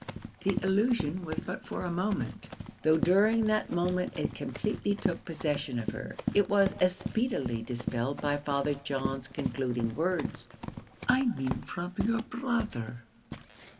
The illusion was but for a moment, though during that moment it completely took possession of her. It was as speedily dispelled by Father John's concluding words "I mean from your brother."